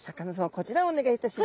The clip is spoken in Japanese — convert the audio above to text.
こちらをお願いいたします。